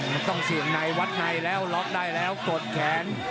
มันต้องเสี่ยงในวัดในแล้วล็อกได้แล้วกดแขน